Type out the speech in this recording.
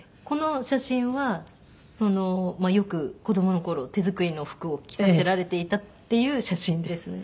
この写真はよく子供の頃手作りの服を着させられていたっていう写真です。